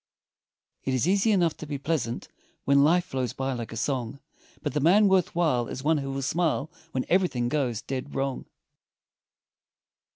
It is easy enough to be pleasant, When life flows by like a song, But the man worth while is one who will smile, When everything goes dead wrong.